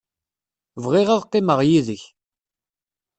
Bɣiɣ ad qqimeɣ yid-k.